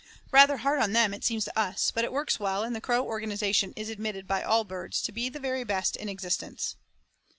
Rather hard on them it seems to us, but it works well and the crow organization is admitted by all birds to be the very best in existence.